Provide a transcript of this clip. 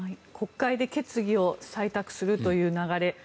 国会で決議を採択するという流れ